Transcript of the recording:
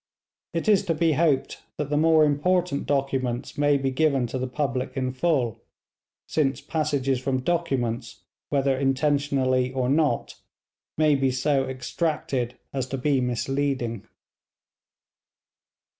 It is to be hoped that the more important documents may be given to the public in full, since passages from documents, whether intentionally or not, may be so extracted as to be misleading.